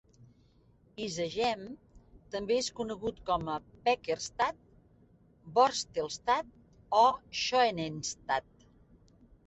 Izegem també és conegut com a "pekkerstad", "borstelstad" o "schoenenstad".